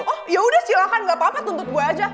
oh yaudah silahkan gak apa apa tuntut gue aja